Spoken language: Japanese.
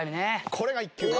これが１球目。